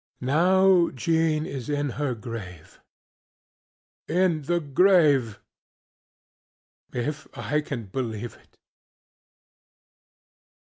Now Jean is in her grave! In the graveŌĆöif I can believe it.